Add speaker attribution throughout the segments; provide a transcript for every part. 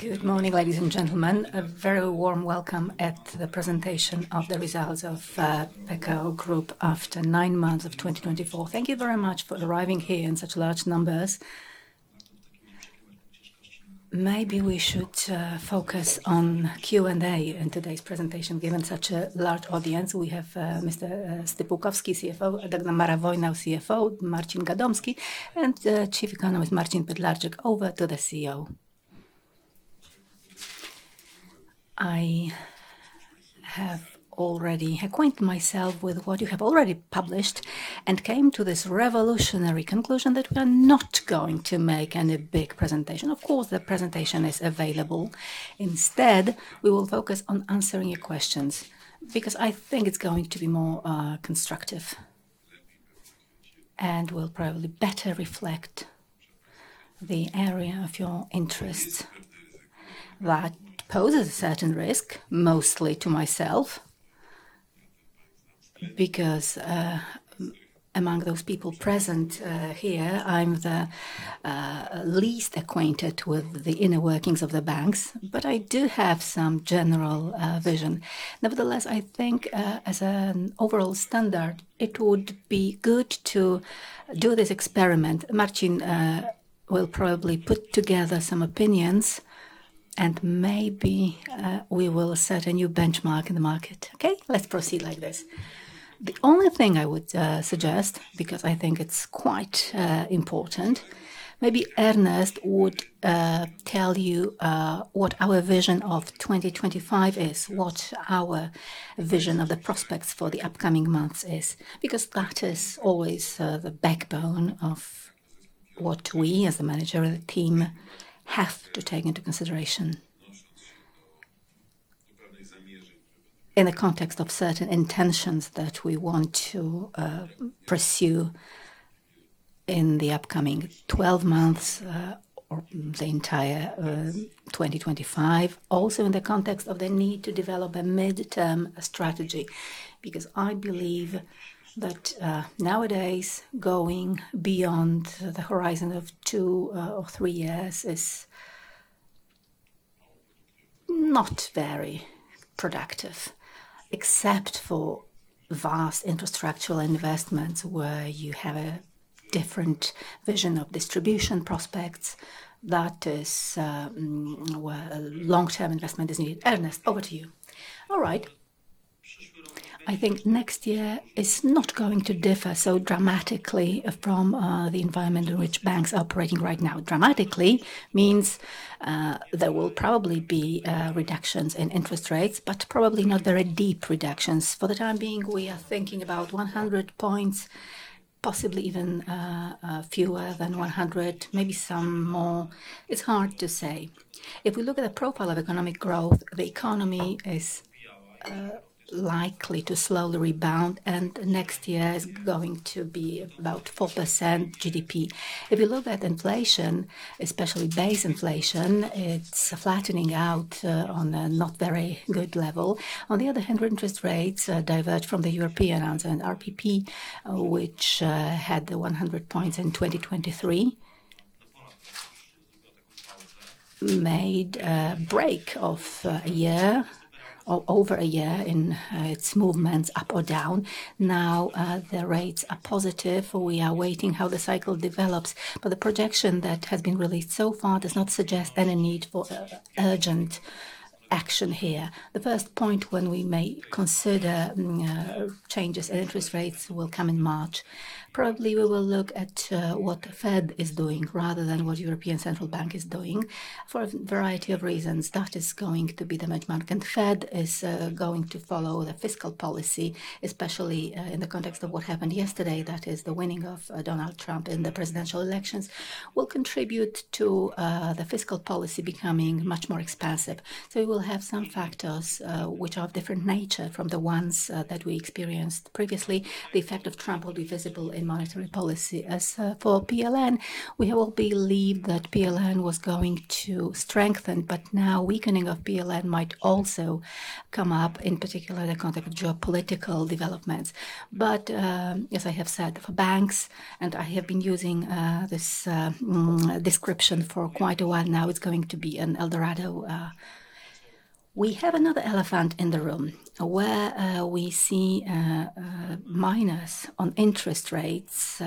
Speaker 1: Good morning, ladies and gentlemen. A very warm welcome at the presentation of the results of Pekao Group after nine months of 2024. Thank you very much for arriving here in such large numbers. Maybe we should focus on Q&A in today's presentation, given such a large audience. We have Mr. Stypułkowski, CEO, Dagmara Wojnar, CFO, Marcin Gadomski, and Chief Economist Ernest Pytlarczyk. Over to the CEO.
Speaker 2: I have already acquainted myself with what you have already published and came to this revolutionary conclusion that we are not going to make any big presentation. Of course, the presentation is available. Instead, we will focus on answering your questions because I think it's going to be more constructive and will probably better reflect the area of your interests that poses a certain risk, mostly to myself, because among those people present here, I'm the least acquainted with the inner workings of the banks, but I do have some general vision. Nevertheless, I think as an overall standard, it would be good to do this experiment. Marcin will probably put together some opinions, and maybe we will set a new benchmark in the market. Okay, let's proceed like this. The only thing I would suggest, because I think it's quite important, maybe Ernest would tell you what our vision of 2025 is, what our vision of the prospects for the upcoming months is, because that is always the backbone of what we, as the managerial team, have to take into consideration in the context of certain intentions that we want to pursue in the upcoming 12 months or the entire 2025, also in the context of the need to develop a midterm strategy, because I believe that nowadays, going beyond the horizon of two or three years is not very productive, except for vast infrastructural investments where you have a different vision of distribution prospects. That is where long-term investment is needed. Ernest, over to you.
Speaker 3: All right. I think next year is not going to differ so dramatically from the environment in which banks are operating right now. Dramatically means there will probably be reductions in interest rates, but probably not very deep reductions. For the time being, we are thinking about 100 points, possibly even fewer than 100, maybe some more. It's hard to say. If we look at the profile of economic growth, the economy is likely to slowly rebound, and next year is going to be about 4% GDP. If you look at inflation, especially base inflation, it's flattening out on a not very good level. On the other hand, interest rates diverge from the European and RPP, which had the 100 points in 2023, made a break of a year, over a year in its movements up or down. Now the rates are positive. We are waiting how the cycle develops, but the projection that has been released so far does not suggest any need for urgent action here. The first point when we may consider changes in interest rates will come in March. Probably we will look at what the Fed is doing rather than what the European Central Bank is doing for a variety of reasons. That is going to be the benchmark, and the Fed is going to follow the fiscal policy, especially in the context of what happened yesterday, that is the winning of Donald Trump in the presidential elections, will contribute to the fiscal policy becoming much more expansive. So we will have some factors which are of different nature from the ones that we experienced previously. The effect of Trump will be visible in monetary policy. As for PLN, we all believe that PLN was going to strengthen, but now weakening of PLN might also come up, in particular the context of geopolitical developments. But as I have said, for banks, and I have been using this description for quite a while now, it's going to be an El Dorado. We have another elephant in the room where we see minus on interest rates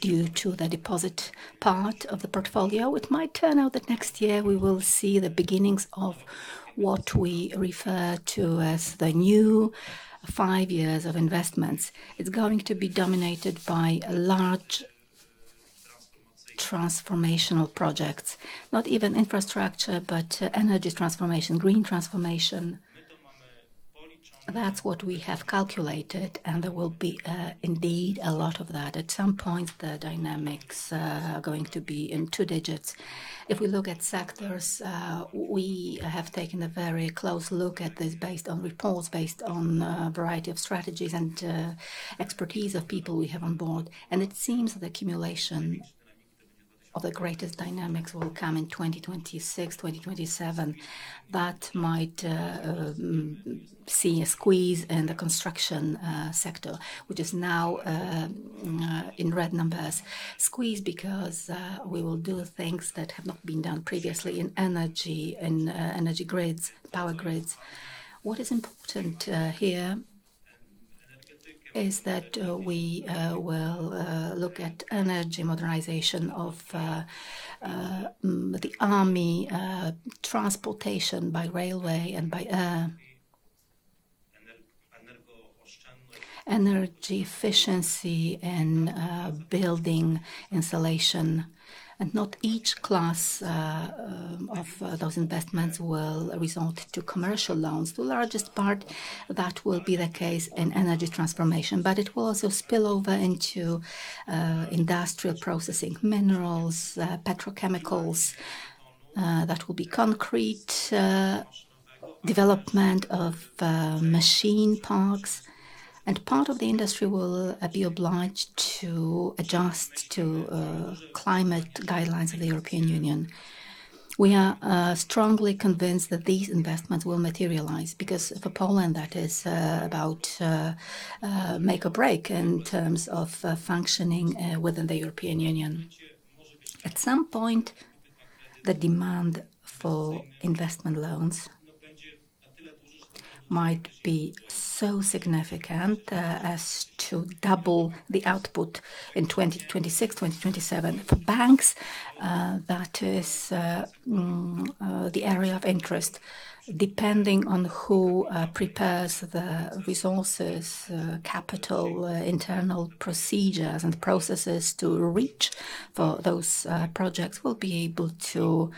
Speaker 3: due to the deposit part of the portfolio. It might turn out that next year we will see the beginnings of what we refer to as the new five years of investments. It's going to be dominated by large transformational projects, not even infrastructure, but energy transformation, green transformation. That's what we have calculated, and there will be indeed a lot of that. At some point, the dynamics are going to be in two digits. If we look at sectors, we have taken a very close look at this based on reports, based on a variety of strategies and expertise of people we have on board. It seems that the accumulation of the greatest dynamics will come in 2026, 2027, but might see a squeeze in the construction sector, which is now in red numbers. Squeeze because we will do things that have not been done previously in energy, in energy grids, power grids. What is important here is that we will look at energy modernization of the army, transportation by railway and by air, energy efficiency in building installation. Not each class of those investments will result in commercial loans. The largest part, that will be the case in energy transformation, but it will also spill over into industrial processing, minerals, petrochemicals. That will be concrete development of machine parks, and part of the industry will be obliged to adjust to climate guidelines of the European Union. We are strongly convinced that these investments will materialize because for Poland, that is about make or break in terms of functioning within the European Union. At some point, the demand for investment loans might be so significant as to double the output in 2026, 2027. For banks, that is the area of interest. Depending on who prepares the resources, capital, internal procedures, and processes to reach for those projects, we'll be able to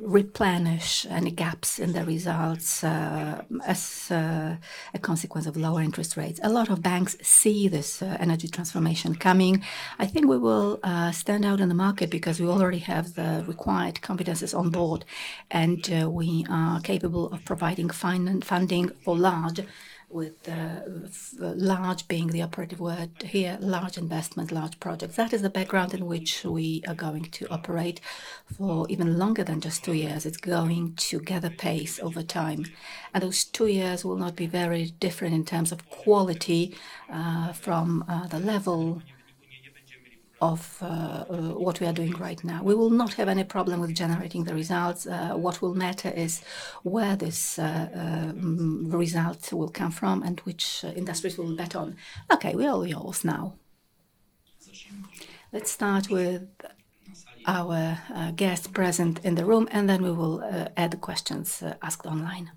Speaker 3: replenish any gaps in the results as a consequence of lower interest rates. A lot of banks see this energy transformation coming. I think we will stand out in the market because we already have the required competencies on board, and we are capable of providing funding for large, with large being the operative word here, large investments, large projects. That is the background in which we are going to operate for even longer than just two years. It's going to gather pace over time. And those two years will not be very different in terms of quality from the level of what we are doing right now. We will not have any problem with generating the results. What will matter is where this result will come from and which industries we will bet on. Okay, we're all yours now. Let's start with our guests present in the room, and then we will add the questions asked online.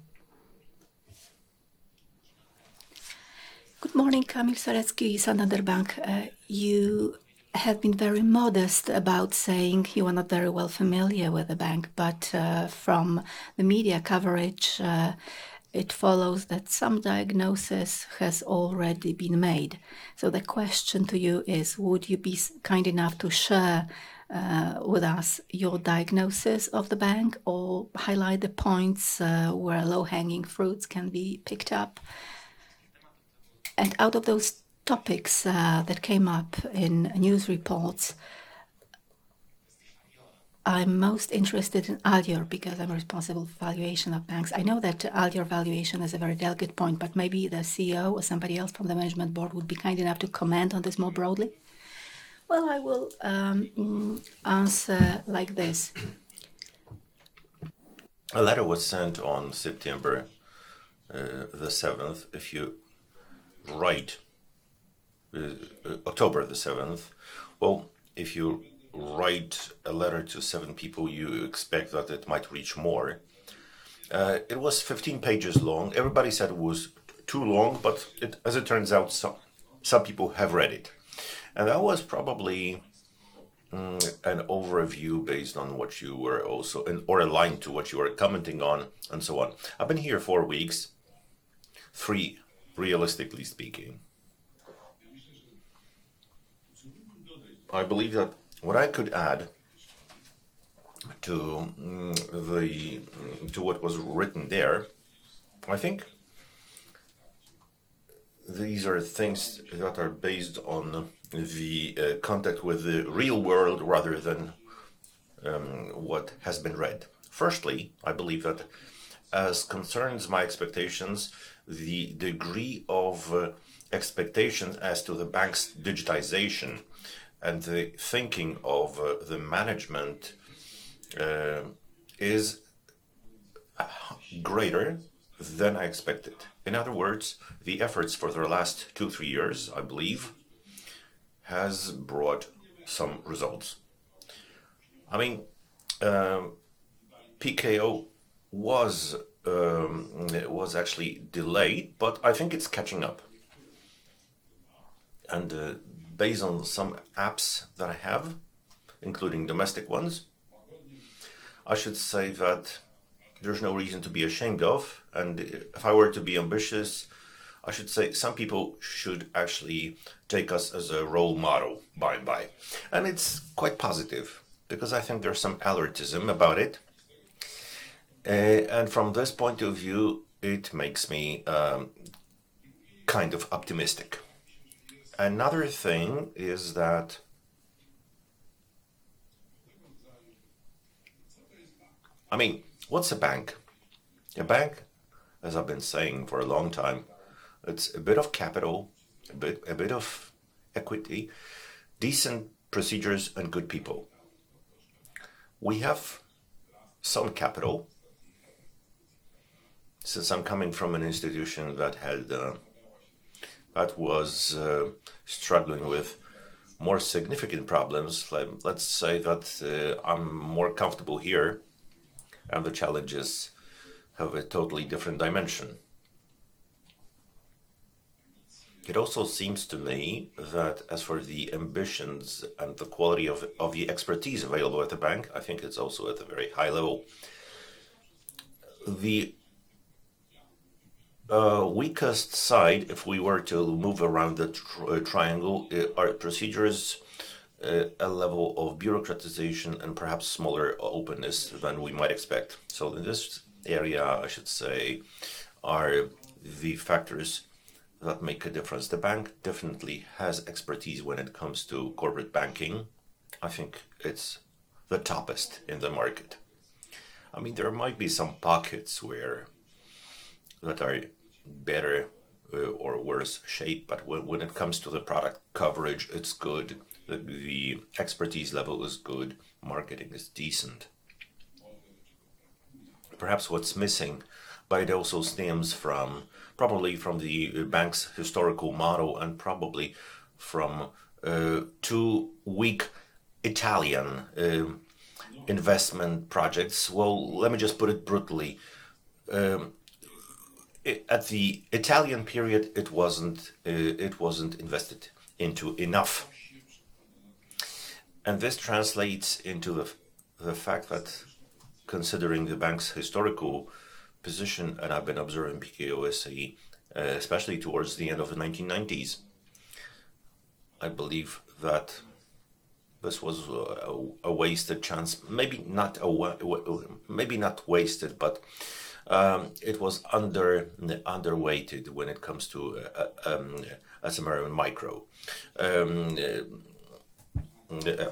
Speaker 4: Good morning, Kamil Stolarski, Santander Bank. You have been very modest about saying you are not very well familiar with the bank, but from the media coverage, it follows that some diagnosis has already been made. The question to you is, would you be kind enough to share with us your diagnosis of the bank or highlight the points where low-hanging fruits can be picked up? And out of those topics that came up in news reports, I'm most interested in Alior because I'm responsible for valuation of banks. I know that Alior valuation is a very delicate point, but maybe the CEO or somebody else from the management board would be kind enough to comment on this more broadly. I will answer like this.
Speaker 2: A letter was sent on September the 7th. If you write October the 7th, well, if you write a letter to seven people, you expect that it might reach more. It was 15 pages long. Everybody said it was too long, but as it turns out, some people have read it. And that was probably an overview based on what you were also or aligned to what you were commenting on and so on. I've been here four weeks, three, realistically speaking. I believe that what I could add to what was written there, I think these are things that are based on the contact with the real world rather than what has been read. Firstly, I believe that as concerns my expectations, the degree of expectation as to the bank's digitization and the thinking of the management is greater than I expected. In other words, the efforts for the last two, three years, I believe, have brought some results. I mean, Pekao was actually delayed, but I think it's catching up, and based on some apps that I have, including domestic ones, I should say that there's no reason to be ashamed of. And if I were to be ambitious, I should say some people should actually take us as a role model, by and by. And it's quite positive because I think there's some alertness about it, and from this point of view, it makes me kind of optimistic. Another thing is that, I mean, what's a bank? A bank, as I've been saying for a long time, it's a bit of capital, a bit of equity, decent procedures, and good people. We have some capital. Since I'm coming from an institution that was struggling with more significant problems, let's say that I'm more comfortable here, and the challenges have a totally different dimension. It also seems to me that as for the ambitions and the quality of the expertise available at the bank, I think it's also at a very high level. The weakest side, if we were to move around the triangle, are procedures, a level of bureaucratization, and perhaps smaller openness than we might expect. So in this area, I should say, are the factors that make a difference. The bank definitely has expertise when it comes to corporate banking. I think it's the topest in the market. I mean, there might be some pockets that are better or worse shaped, but when it comes to the product coverage, it's good. The expertise level is good. Marketing is decent. Perhaps what's missing, but it also stems from probably from the bank's historical model and probably from too weak Italian investment projects. Let me just put it brutally. At the Italian period, it wasn't invested into enough, and this translates into the fact that considering the bank's historical position, and I've been observing Pekao, especially towards the end of the 1990s, I believe that this was a wasted chance. Maybe not wasted, but it was underweighted when it comes to SME and micro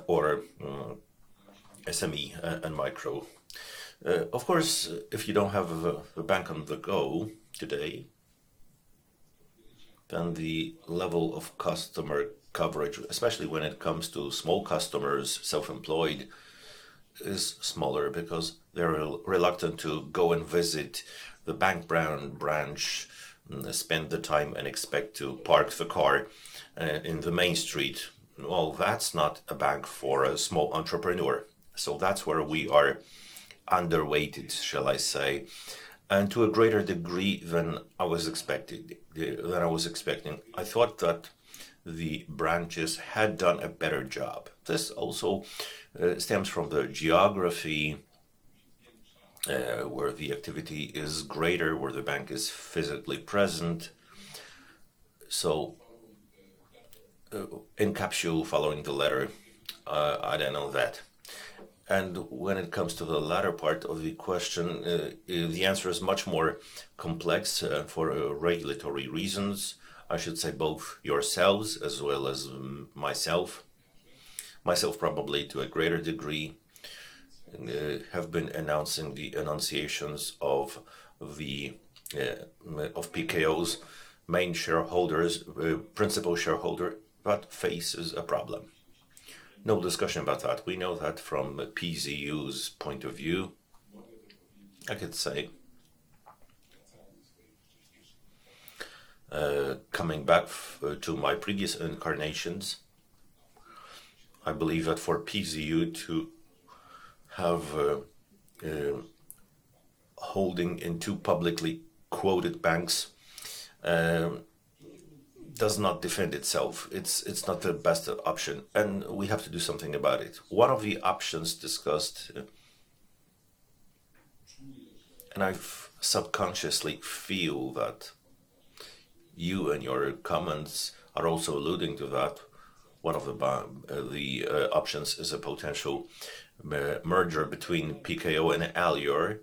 Speaker 2: or SME and micro. Of course, if you don't have a bank on the go today, then the level of customer coverage, especially when it comes to small customers, self-employed, is smaller because they're reluctant to go and visit the bank branch, spend the time, and expect to park the car in the main street. That's not a bank for a small entrepreneur. That's where we are underweighted, shall I say, and to a greater degree than I was expecting. I thought that the branches had done a better job. This also stems from the geography where the activity is greater, where the bank is physically present. In capsule, following the letter, I don't know that. When it comes to the latter part of the question, the answer is much more complex for regulatory reasons. I should say both yourselves as well as myself. Myself, probably to a greater degree, have been announcing the annunciations of Pekao main shareholders, principal shareholder, but faces a problem. No discussion about that. We know that from PZU's point of view. I could say coming back to my previous incarnations, I believe that for PZU to have holding in two publicly quoted banks does not defend itself. It's not the best option, and we have to do something about it. One of the options discussed, and I subconsciously feel that you and your comments are also alluding to that, one of the options is a potential merger between Pekao and Alior,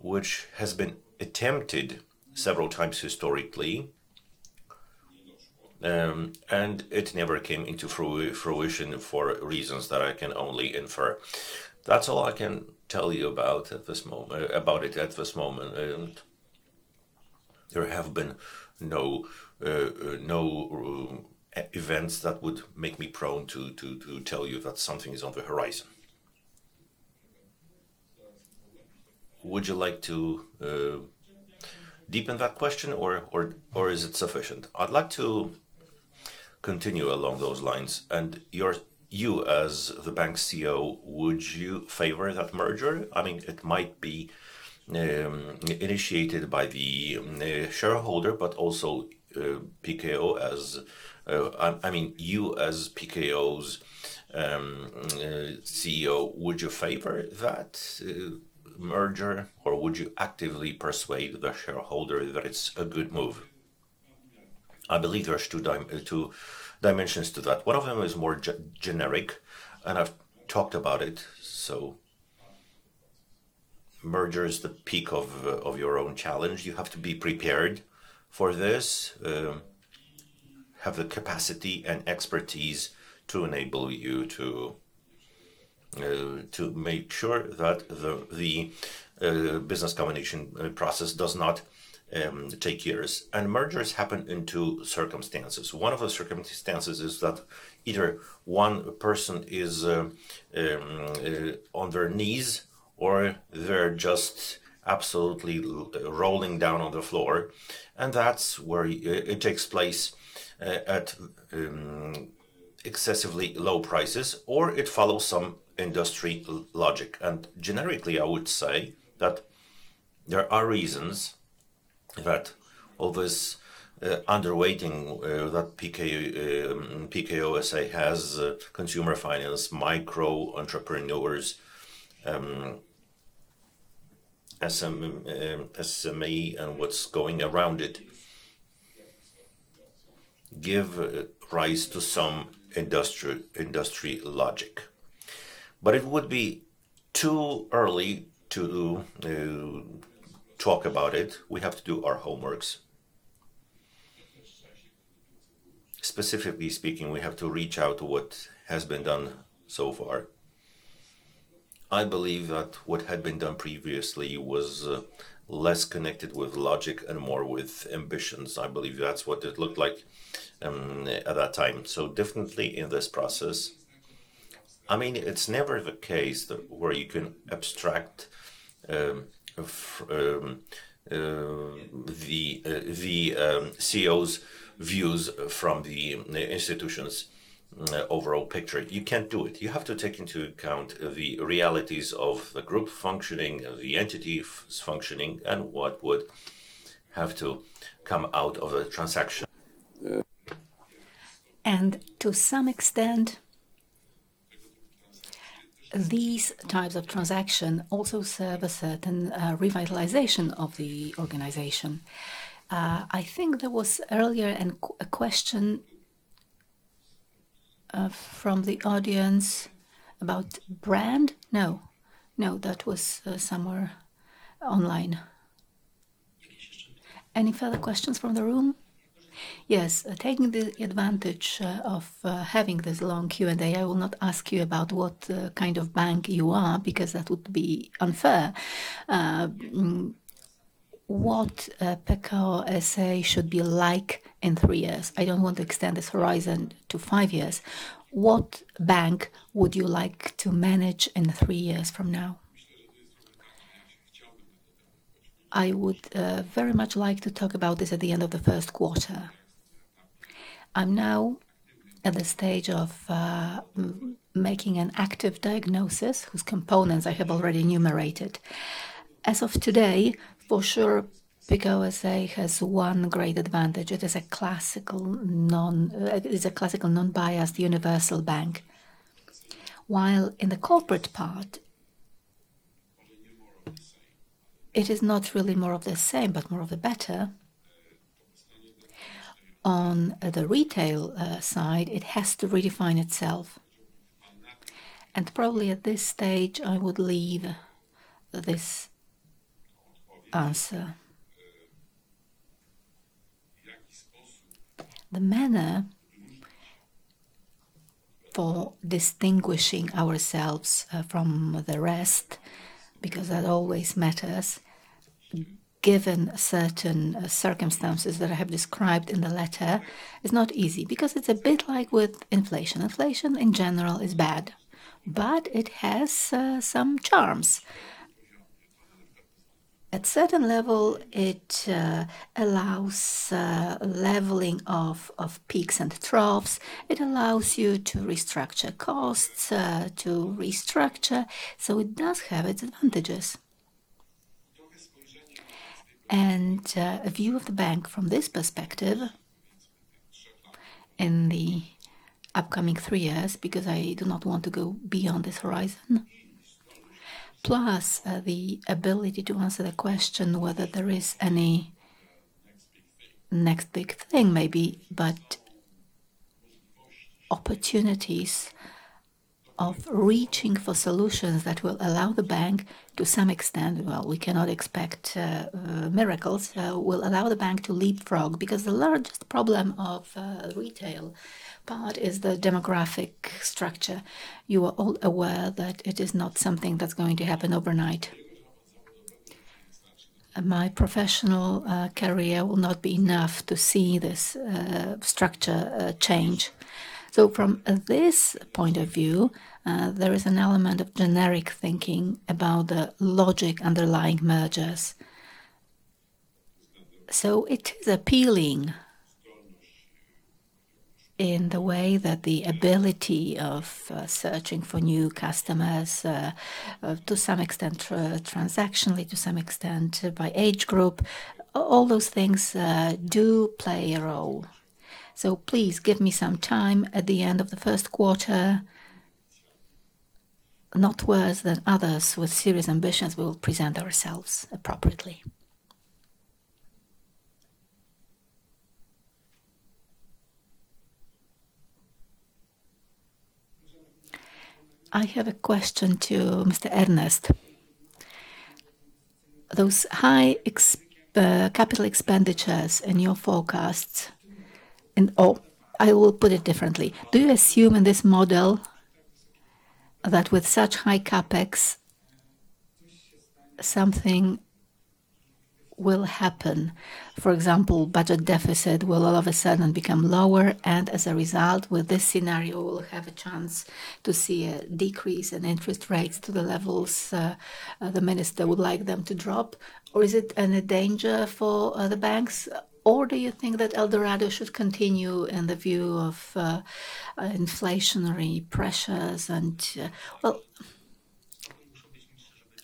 Speaker 2: which has been attempted several times historically, and it never came into fruition for reasons that I can only infer. That's all I can tell you about it at this moment. There have been no events that would make me prone to tell you that something is on the horizon. Would you like to deepen that question, or is it sufficient?
Speaker 4: I'd like to continue along those lines, and you, as the bank CEO, would you favor that merger? I mean, it might be initiated by the shareholder, but also Pekao as, I mean, you as Pekao's CEO, would you favor that merger, or would you actively persuade the shareholder that it's a good move?
Speaker 2: I believe there are two dimensions to that. One of them is more generic, and I've talked about it. So merger is the peak of your own challenge. You have to be prepared for this, have the capacity and expertise to enable you to make sure that the business combination process does not take years. And mergers happen in two circumstances. One of the circumstances is that either one person is on their knees or they're just absolutely rolling down on the floor, and that's where it takes place at excessively low prices, or it follows some industry logic. Generically, I would say that there are reasons that all this underweighting that Pekao's has, consumer finance, micro entrepreneurs, SME, and what's going around it, give rise to some industry logic. It would be too early to talk about it. We have to do our homework. Specifically speaking, we have to reach out to what has been done so far. I believe that what had been done previously was less connected with logic and more with ambitions. I believe that's what it looked like at that time. Definitely in this process, I mean, it's never the case where you can abstract the CEO's views from the institution's overall picture. You can't do it. You have to take into account the realities of the group functioning, the entity functioning, and what would have to come out of the transaction. To some extent, these types of transactions also serve a certain revitalization of the organization.
Speaker 1: I think there was earlier a question from the audience about brand. No, no, that was somewhere online. Any further questions from the room?
Speaker 5: Yes. Taking the advantage of having this long Q&A, I will not ask you about what kind of bank you are because that would be unfair. What Pekao S.A. should be like in three years? I don't want to extend this horizon to five years. What bank would you like to manage in three years from now?
Speaker 2: I would very much like to talk about this at the end of the first quarter. I'm now at the stage of making an active diagnosis whose components I have already enumerated. As of today, for sure, Pekao S.A. has one great advantage. It is a classical non-biased universal bank. While in the corporate part, it is not really more of the same, but more of the better. On the retail side, it has to redefine itself. And probably at this stage, I would leave this answer. The manner for distinguishing ourselves from the rest, because that always matters, given certain circumstances that I have described in the letter, is not easy because it's a bit like with inflation. Inflation, in general, is bad, but it has some charms. At certain level, it allows leveling of peaks and troughs. It allows you to restructure costs, to restructure. So it does have its advantages. And a view of the bank from this perspective in the upcoming three years, because I do not want to go beyond this horizon, plus the ability to answer the question whether there is any next big thing, maybe, but opportunities of reaching for solutions that will allow the bank to some extent, well, we cannot expect miracles, will allow the bank to leapfrog because the largest problem of the retail part is the demographic structure. You are all aware that it is not something that's going to happen overnight. My professional career will not be enough to see this structure change. So from this point of view, there is an element of generic thinking about the logic underlying mergers. So it is appealing in the way that the ability of searching for new customers, to some extent transactionally, to some extent by age group, all those things do play a role. So please give me some time at the end of the first quarter. Not worse than others with serious ambitions, we will present ourselves appropriately.
Speaker 6: I have a question to Mr. Ernest. Those high capital expenditures in your forecasts, or I will put it differently. Do you assume in this model that with such high CapEx, something will happen? For example, budget deficit will all of a sudden become lower, and as a result, with this scenario, we'll have a chance to see a decrease in interest rates to the levels the minister would like them to drop. Or is it a danger for the banks? Or do you think that Eldorado should continue in the view of inflationary pressures
Speaker 3: And, well,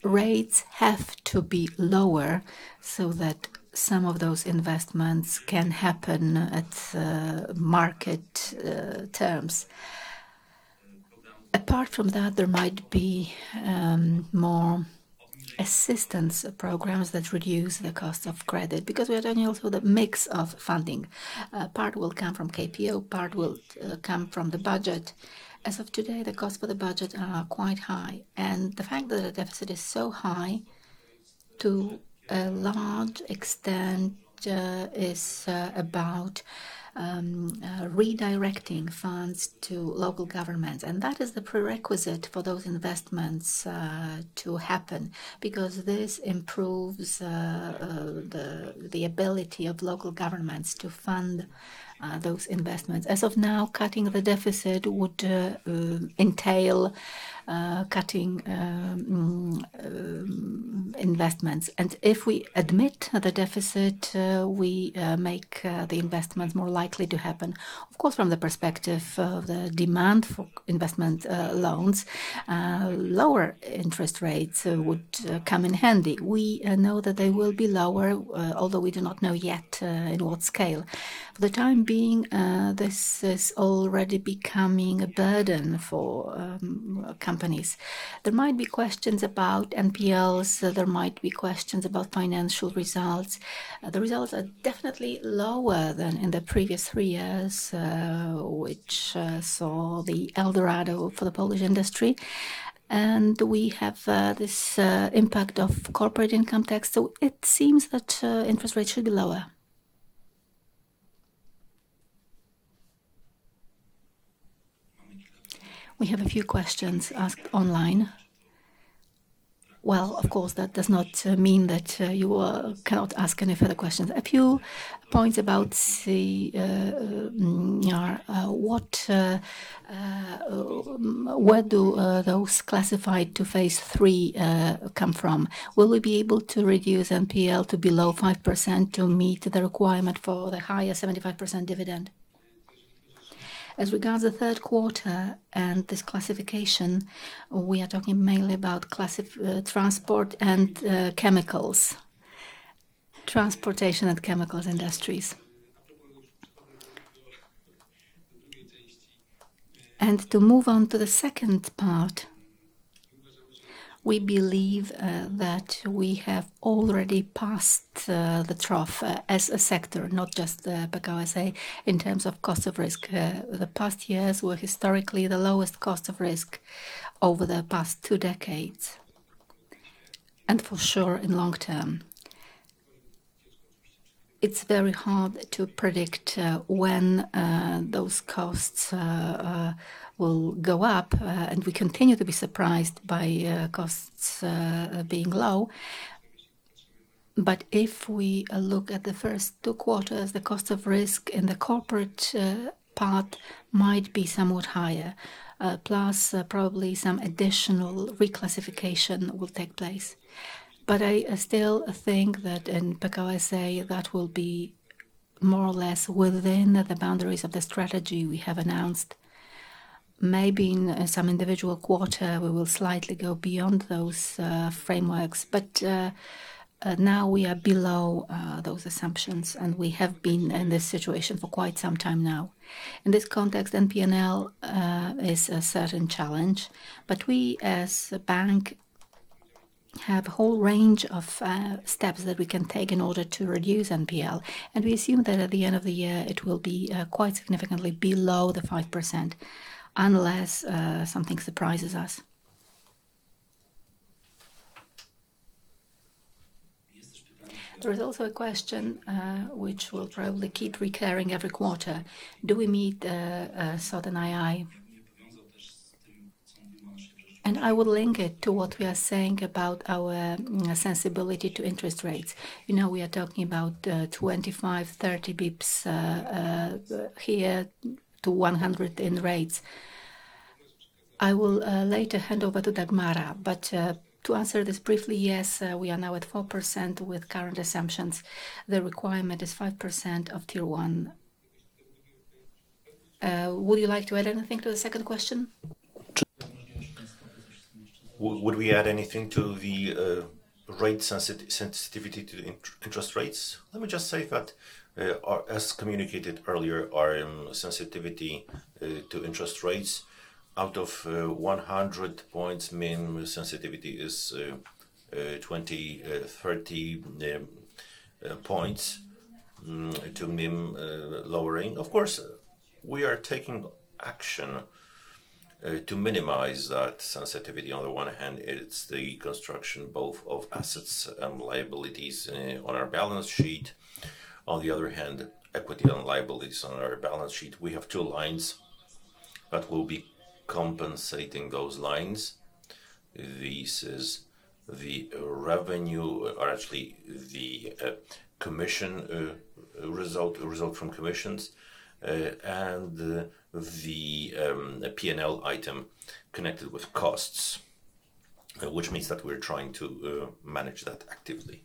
Speaker 3: rates have to be lower so that some of those investments can happen at market terms. Apart from that, there might be more assistance programs that reduce the cost of credit because we are doing also the mix of funding. Part will come from KPO, part will come from the budget. As of today, the costs for the budget are quite high, and the fact that the deficit is so high, to a large extent, is about redirecting funds to local governments, and that is the prerequisite for those investments to happen because this improves the ability of local governments to fund those investments. As of now, cutting the deficit would entail cutting investments, and if we admit the deficit, we make the investments more likely to happen. Of course, from the perspective of the demand for investment loans, lower interest rates would come in handy. We know that they will be lower, although we do not know yet in what scale. For the time being, this is already becoming a burden for companies. There might be questions about NPLs. There might be questions about financial results. The results are definitely lower than in the previous three years, which saw the Eldorado for the Polish industry, and we have this impact of corporate income tax, so it seems that interest rates should be lower.
Speaker 1: We have a few questions asked online. Of course, that does not mean that you cannot ask any further questions. A few points about what, where do those classified to phase three come from? Will we be able to reduce NPL to below 5% to meet the requirement for the higher 75% dividend?
Speaker 3: As regards the third quarter and this classification, we are talking mainly about transport and chemicals, transportation and chemicals industries, and to move on to the second part, we believe that we have already passed the trough as a sector, not just Pekao S.A., in terms of cost of risk. The past years were historically the lowest cost of risk over the past two decades, and for sure, in long term, it's very hard to predict when those costs will go up. And we continue to be surprised by costs being low, but if we look at the first two quarters, the cost of risk in the corporate part might be somewhat higher, plus probably some additional reclassification will take place, but I still think that in Pekao S.A., that will be more or less within the boundaries of the strategy we have announced. Maybe in some individual quarter, we will slightly go beyond those frameworks. But now we are below those assumptions, and we have been in this situation for quite some time now. In this context, NPL is a certain challenge. But we, as a bank, have a whole range of steps that we can take in order to reduce NPL. And we assume that at the end of the year, it will be quite significantly below the 5% unless something surprises us. There is also a question which will probably keep recurring every quarter. Do we meet certain Pillar II? And I will link it to what we are saying about our sensibility to interest rates. We are talking about 25, 30 basis points here to 100 in rates. I will later hand over to Dagmara. But to answer this briefly, yes, we are now at 4% with current assumptions. The requirement is 5% of Tier 1. Would you like to add anything to the second question?
Speaker 7: Would we add anything to the rate sensitivity to interest rates? Let me just say that, as communicated earlier, our sensitivity to interest rates out of 100 points, minimum sensitivity is 20, 30 points to minimum lowering. Of course, we are taking action to minimize that sensitivity. On the one hand, it's the construction both of assets and liabilities on our balance sheet. On the other hand, equity and liabilities on our balance sheet. We have two lines that will be compensating those lines. This is the revenue, or actually the commission result from commissions, and the P&L item connected with costs, which means that we're trying to manage that actively.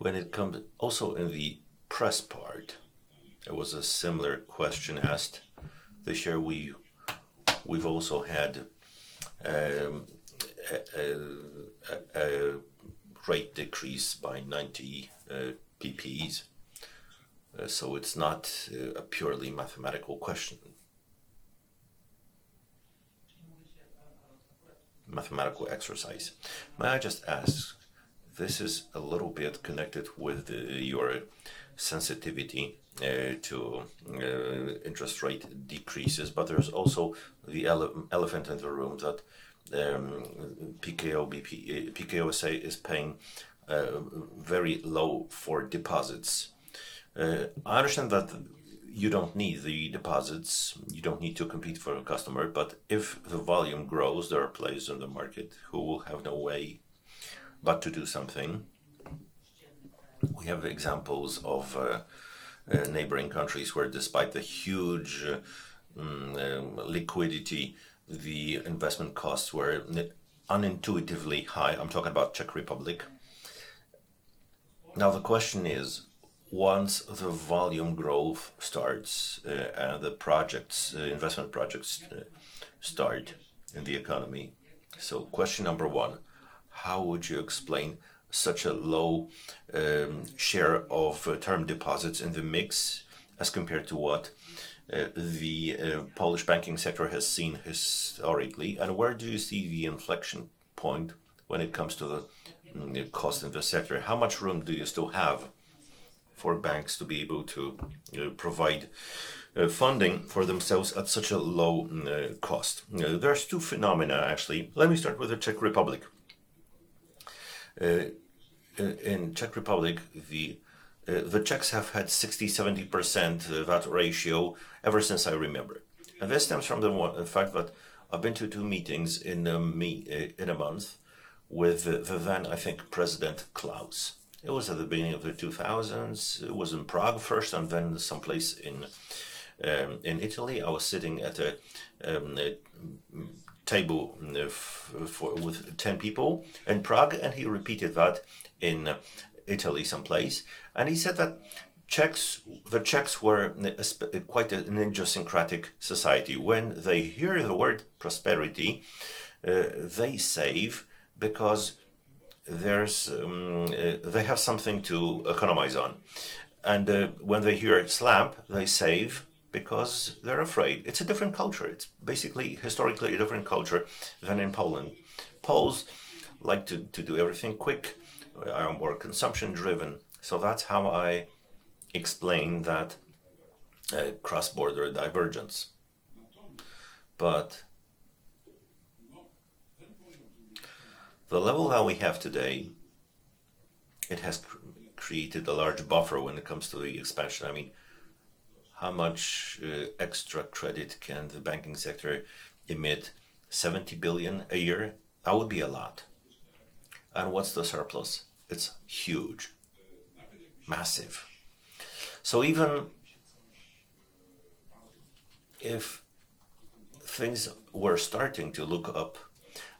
Speaker 7: When it comes also in the press part, there was a similar question asked this year. We've also had a rate decrease by 90 bps. So it's not a purely mathematical question, mathematical exercise.
Speaker 8: May I just ask? This is a little bit connected with your sensitivity to interest rate decreases, but there's also the elephant in the room that Pekao S.A. is paying very low for deposits. I understand that you don't need the deposits. You don't need to compete for a customer. But if the volume grows, there are players in the market who will have no way but to do something. We have examples of neighboring countries where, despite the huge liquidity, the investment costs were unintuitively high. I'm talking about Czech Republic. Now, the question is, once the volume growth starts and the investment projects start in the economy, so question number one, how would you explain such a low share of term deposits in the mix as compared to what the Polish banking sector has seen historically? Where do you see the inflection point when it comes to the cost in the sector? How much room do you still have for banks to be able to provide funding for themselves at such a low cost?
Speaker 2: There are two phenomena, actually. Let me start with the Czech Republic. In Czech Republic, the Czechs have had 60%-70% of that ratio ever since I remember. And this stems from the fact that I've been to two meetings in a month with the then, I think, President Klaus. It was at the beginning of the 2000s. It was in Prague first, and then someplace in Italy. I was sitting at a table with 10 people in Prague, and he repeated that in Italy someplace. And he said that the Czechs were quite an idiosyncratic society. When they hear the word prosperity, they save because they have something to economize on. And when they hear a slam, they save because they're afraid. It's a different culture. It's basically, historically, a different culture than in Poland. Poles like to do everything quick. They're more consumption-driven. So that's how I explain that cross-border divergence. But the level that we have today, it has created a large buffer when it comes to the expansion. I mean, how much extra credit can the banking sector emit? 70 billion a year? That would be a lot. And what's the surplus? It's huge, massive. So even if things were starting to look up,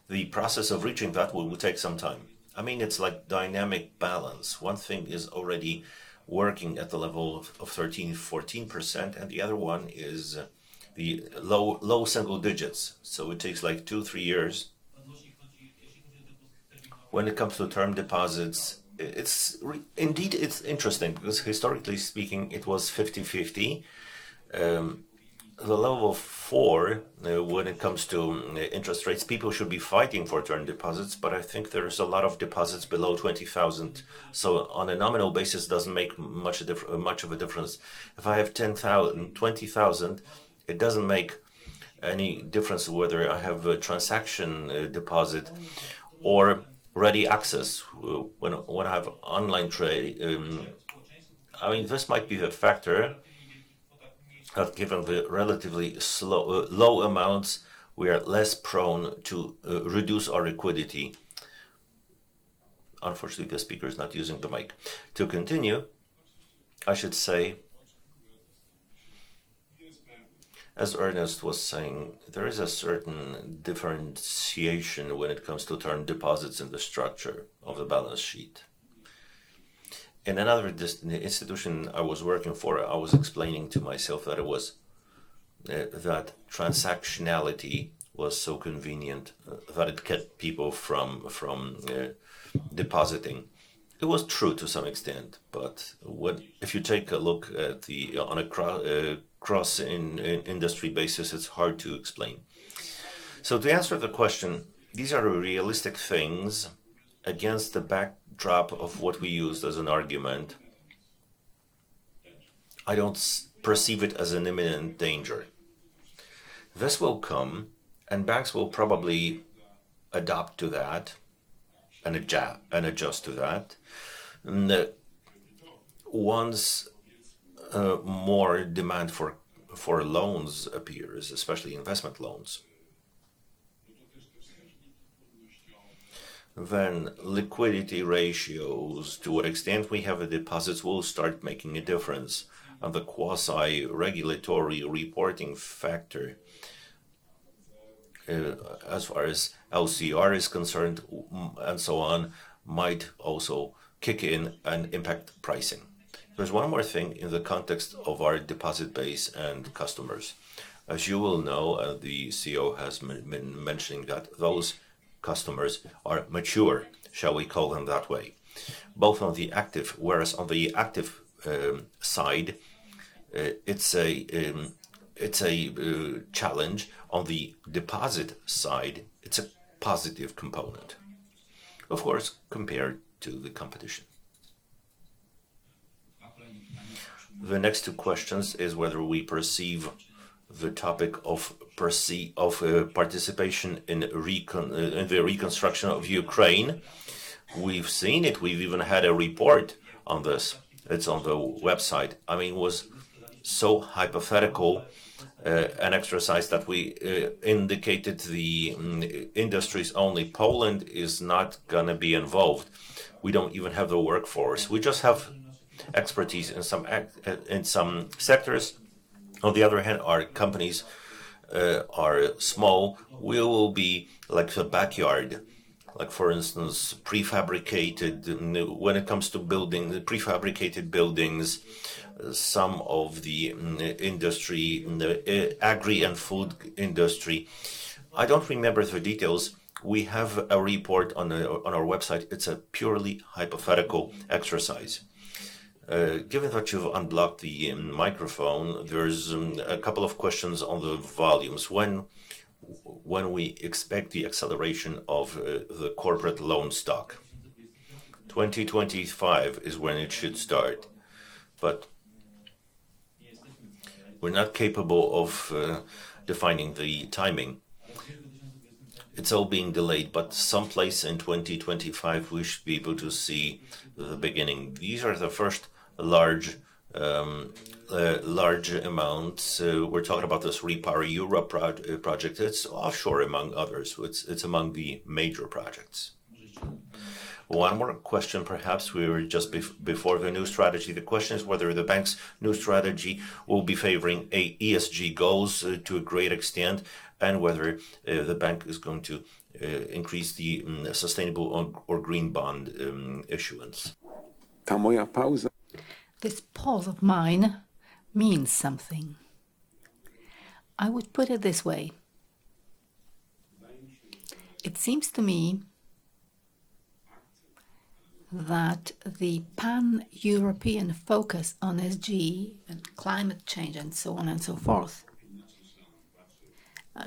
Speaker 2: the process of reaching that will take some time. I mean, it's like dynamic balance. One thing is already working at the level of 13%-14%, and the other one is the low single digits. So it takes like two, three years. When it comes to term deposits, indeed, it's interesting because historically speaking, it was 50-50. The level of four, when it comes to interest rates, people should be fighting for term deposits, but I think there's a lot of deposits below 20,000. So on a nominal basis, it doesn't make much of a difference. If I have 10,000-20,000, it doesn't make any difference whether I have a transaction deposit or ready access when I have online trade. I mean, this might be the factor. Given the relatively low amounts, we are less prone to reduce our liquidity. Unfortunately, the speaker is not using the mic. To continue, I should say, as Ernest was saying, there is a certain differentiation when it comes to term deposits in the structure of the balance sheet. In another institution I was working for, I was explaining to myself that transactionality was so convenient that it kept people from depositing. It was true to some extent. But if you take a look at the cross-industry basis, it's hard to explain. So to answer the question, these are realistic things against the backdrop of what we used as an argument. I don't perceive it as an imminent danger. This will come, and banks will probably adapt to that and adjust to that. Once more demand for loans appears, especially investment loans, then liquidity ratios, to what extent we have deposits, will start making a difference. And the quasi-regulatory reporting factor, as far as LCR is concerned and so on, might also kick in and impact pricing. There's one more thing in the context of our deposit base and customers. As you will know, the CEO has been mentioning that those customers are mature, shall we call them that way, both on the active, whereas on the active side, it's a challenge. On the deposit side, it's a positive component, of course, compared to the competition. The next two questions is whether we perceive the topic of participation in the reconstruction of Ukraine. We've seen it. We've even had a report on this. It's on the website. I mean, it was so hypothetical, an exercise that we indicated the industries only. Poland is not going to be involved. We don't even have the workforce. We just have expertise in some sectors. On the other hand, our companies are small. We will be like a backyard, like for instance, prefabricated. When it comes to building prefabricated buildings, some of the industry, agri and food industry, I don't remember the details. We have a report on our website. It's a purely hypothetical exercise.
Speaker 1: Given that you've unblocked the microphone, there's a couple of questions on the volumes.
Speaker 9: When we expect the acceleration of the corporate loan stock?
Speaker 2: 2025 is when it should start, but we're not capable of defining the timing. It's all being delayed, but someplace in 2025, we should be able to see the beginning. These are the first large amounts. We're talking about this REPower Europe project. It's offshore, among others. It's among the major projects.
Speaker 1: One more question, perhaps we were just before the new strategy. The question is whether the bank's new strategy will be favoring ESG goals to a great extent and whether the bank is going to increase the sustainable or green bond issuance.
Speaker 2: This pause of mine means something. I would put it this way. It seems to me that the pan-European focus on ESG and climate change and so on and so forth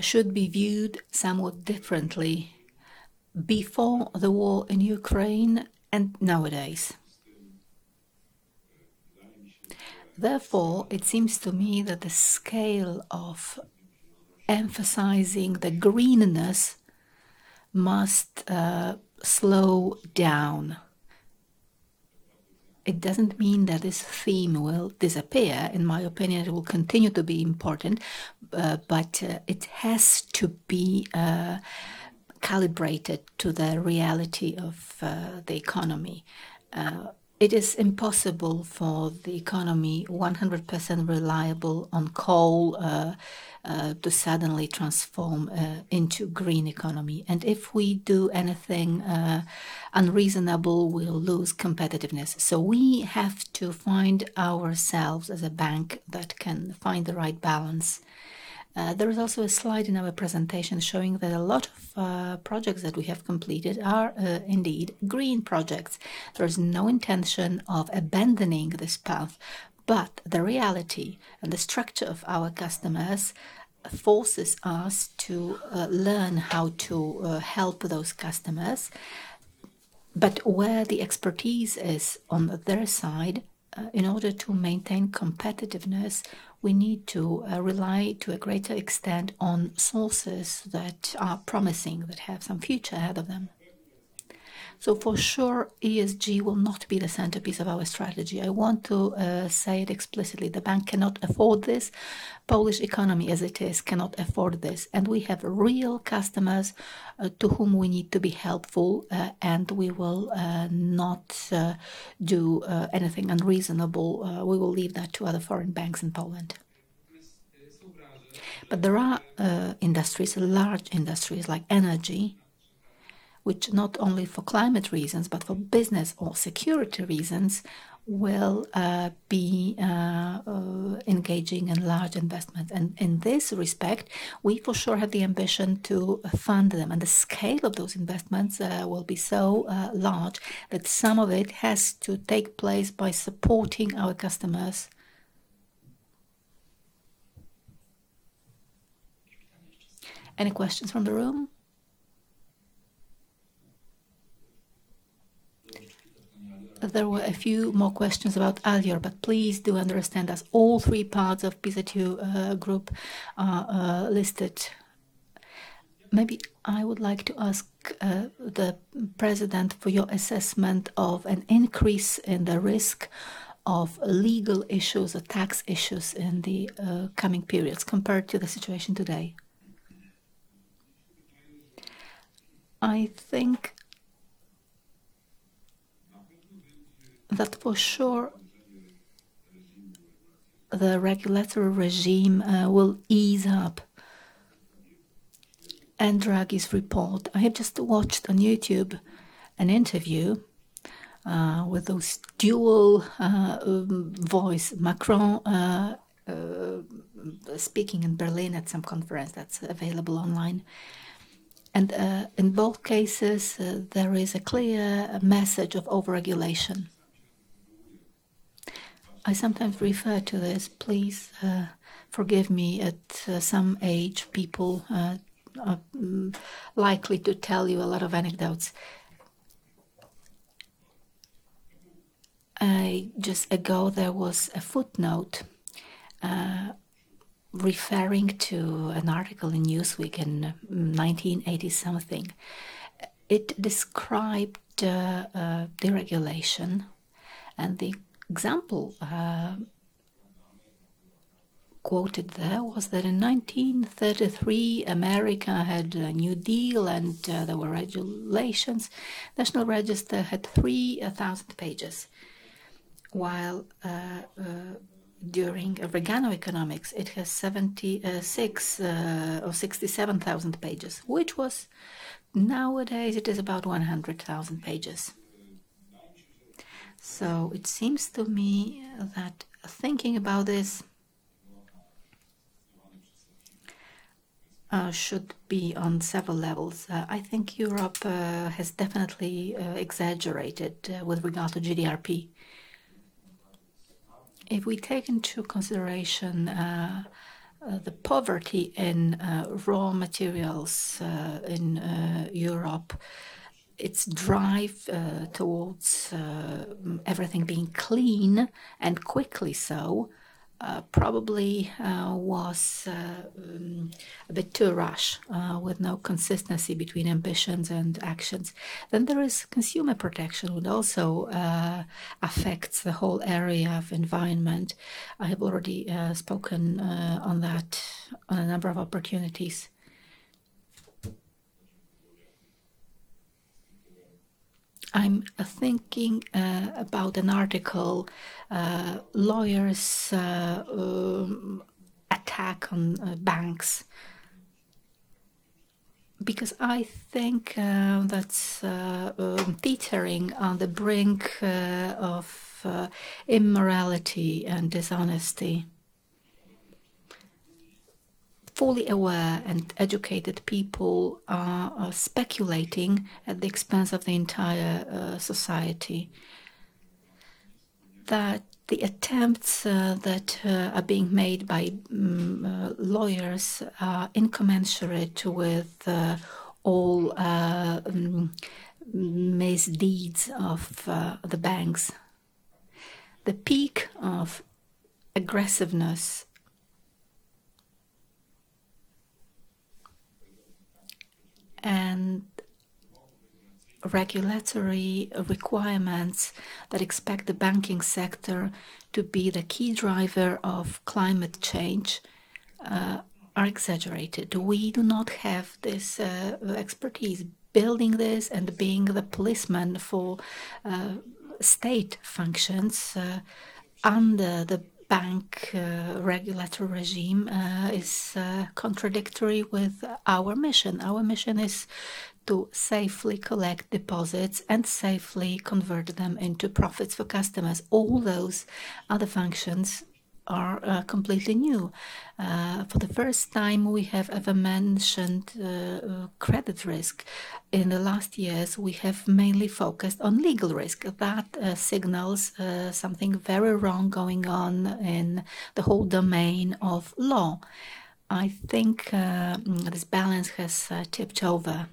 Speaker 2: should be viewed somewhat differently before the war in Ukraine and nowadays. Therefore, it seems to me that the scale of emphasizing the greenness must slow down. It doesn't mean that this theme will disappear. In my opinion, it will continue to be important, but it has to be calibrated to the reality of the economy. It is impossible for the economy 100% reliant on coal to suddenly transform into a green economy. And if we do anything unreasonable, we'll lose competitiveness. So we have to find ourselves as a bank that can find the right balance. There is also a slide in our presentation showing that a lot of projects that we have completed are indeed green projects. There is no intention of abandoning this path, but the reality and the structure of our customers forces us to learn how to help those customers, but where the expertise is on their side, in order to maintain competitiveness, we need to rely to a greater extent on sources that are promising, that have some future ahead of them, so for sure, ESG will not be the centerpiece of our strategy. I want to say it explicitly. The bank cannot afford this. Polish economy, as it is, cannot afford this, and we have real customers to whom we need to be helpful, and we will not do anything unreasonable. We will leave that to other foreign banks in Poland, but there are industries, large industries like energy, which not only for climate reasons, but for business or security reasons, will be engaging in large investments. In this respect, we for sure have the ambition to fund them. The scale of those investments will be so large that some of it has to take place by supporting our customers.
Speaker 1: Any questions from the room? There were a few more questions about Alior, but please do understand that all three parts of PZU Group are listed.
Speaker 10: Maybe I would like to ask the President for your assessment of an increase in the risk of legal issues or tax issues in the coming periods compared to the situation today.
Speaker 2: I think that for sure, the regulatory regime will ease up. Draghi's report. I have just watched on YouTube an interview with those dual voices, Macron speaking in Berlin at some conference that's available online. In both cases, there is a clear message of overregulation. I sometimes refer to this. Please forgive me. At some age, people are likely to tell you a lot of anecdotes. Just ago, there was a footnote referring to an article in Newsweek in 1980-something. It described deregulation, and the example quoted there was that in 1933, America had a New Deal, and there were regulations. The National Register had 3,000 pages, while during Reaganomics, it has 67,000 pages, which was nowadays, it is about 100,000 pages, so it seems to me that thinking about this should be on several levels. I think Europe has definitely exaggerated with regard to GDPR. If we take into consideration the poverty in raw materials in Europe, its drive towards everything being clean and quickly so probably was a bit too rushed with no consistency between ambitions and actions, then there is consumer protection, which also affects the whole area of environment. I have already spoken on that on a number of opportunities. I'm thinking about an article, Lawyers' Attack on Banks, because I think that's teetering on the brink of immorality and dishonesty. Fully aware and educated people are speculating at the expense of the entire society that the attempts that are being made by lawyers are incommensurate with all misdeeds of the banks. The peak of aggressiveness and regulatory requirements that expect the banking sector to be the key driver of climate change are exaggerated. We do not have this expertise. Building this and being the policeman for state functions under the bank regulatory regime is contradictory with our mission. Our mission is to safely collect deposits and safely convert them into profits for customers. All those other functions are completely new. For the first time, we have ever mentioned credit risk. In the last years, we have mainly focused on legal risk. That signals something very wrong going on in the whole domain of law. I think this balance has tipped over.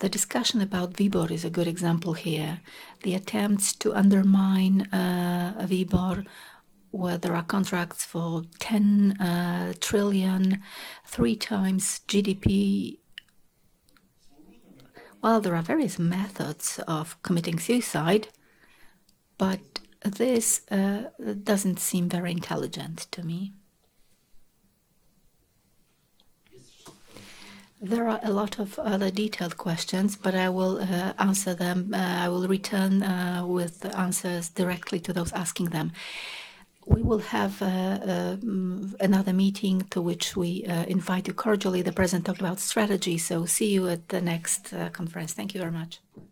Speaker 2: The discussion about WIBOR is a good example here. The attempts to undermine WIBOR, where there are contracts for 10 trillion, three times GDP. While there are various methods of committing suicide, but this doesn't seem very intelligent to me. There are a lot of other detailed questions, but I will answer them. I will return with answers directly to those asking them. We will have another meeting to which we invite you cordially. The president talked about strategy. So see you at the next conference. Thank you very much.